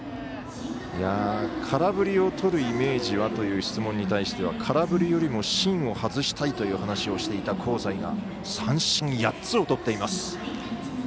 空振りをとるイメージは？という質問に対しては空振りよりも芯を外したいという話をしていた香西が三振８つをとっています。